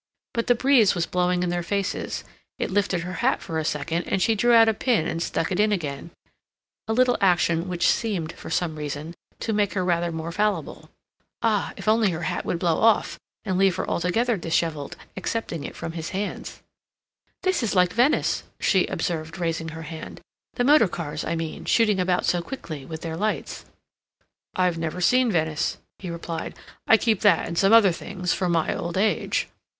But the breeze was blowing in their faces; it lifted her hat for a second, and she drew out a pin and stuck it in again,—a little action which seemed, for some reason, to make her rather more fallible. Ah, if only her hat would blow off, and leave her altogether disheveled, accepting it from his hands! "This is like Venice," she observed, raising her hand. "The motor cars, I mean, shooting about so quickly, with their lights." "I've never seen Venice," he replied. "I keep that and some other things for my old age."